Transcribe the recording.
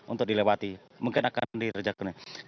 untuk dilewati mungkin akan direjak dulu